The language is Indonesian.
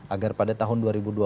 agar pada tahun dua ribu dua puluh